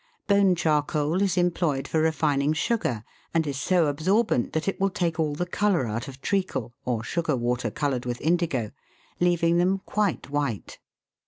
Bone charcoal is employed for refining sugar, and is so absor bent that it will take all the colour out of treacle, or sugar water coloured with indigo, leaving them quite white.